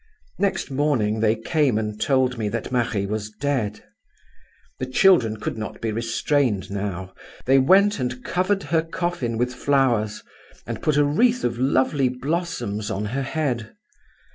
"Next morning they came and told me that Marie was dead. The children could not be restrained now; they went and covered her coffin with flowers, and put a wreath of lovely blossoms on her head.